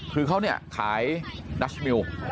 คือเขาเนี่ยขายดัชมิว